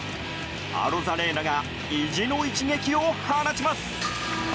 アロザレーナが意地の一撃を放ちます。